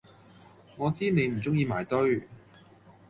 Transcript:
我知你唔中意埋堆！